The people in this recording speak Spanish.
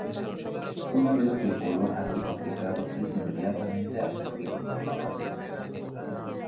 Una vez que el color ha sido aplicado es inmediatamente absorbido por la base.